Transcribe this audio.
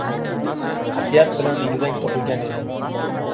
Qat’iyat bilan egizak tug’ilgan edi.